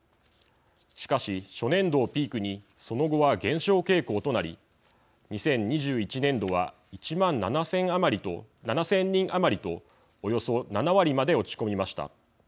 しかし、初年度をピークにその後は減少傾向となり２０２１年度は１万７０００人余りとおよそ７割まで落ち込みました。